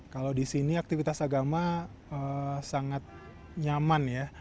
kalau di sini aktivitas agama sangat nyaman ya